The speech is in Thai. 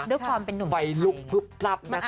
ด้วยความเป็นหนุ่มใดไวลุกพลับนะคะ